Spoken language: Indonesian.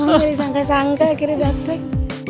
miri sangka sangka akhirnya datang